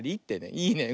いいね。